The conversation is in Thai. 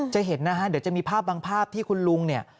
จะเห็นนะฮะเดี๋ยวจะมีภาพบางภาพที่คุณลุงเนี่ย